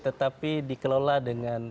tetapi dikelola dengan